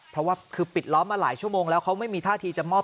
เพราะว่าคือปิดล้อมมาหลายชั่วโมงแล้วเขาไม่มีท่าทีจะมอบ